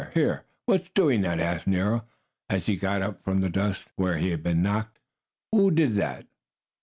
"Here! Who's doing that?" asked Nero, as he got up from the dust, where he had been knocked. "Who did that?"